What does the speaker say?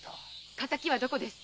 仇はどこです？